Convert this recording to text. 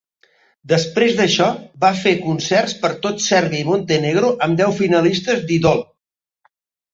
Després d'això, va fer concerts per tot Sèrbia i Montenegro amb deu finalistes d'"Idol".